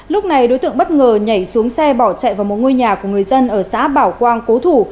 lúc này đối tượng bất ngờ nhảy xuống xe bỏ chạy vào một ngôi nhà của người dân ở xã bảo quang cố thủ